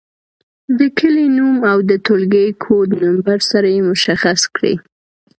د کلي نوم او د ټولګي کوډ نمبر سره یې مشخص کړئ.